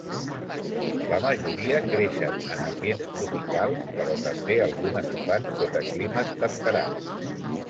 La majoria creixen en ambients tropicals però també algunes ho fan sota climes temperats.